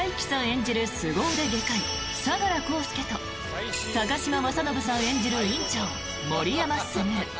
演じるすご腕外科医、相良浩介と高嶋政伸さん演じる院長森山卓。